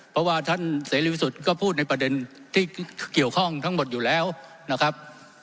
เพราะว่าท่านเสรีพิสุทธิ์ก็พูดในประเด็นที่เกี่ยวข้องทั้งหมดอยู่แล้วนะครับ